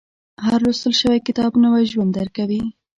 • هر لوستل شوی کتاب، نوی ژوند درکوي.